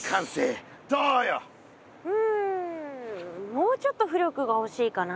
もうちょっと浮力がほしいかな。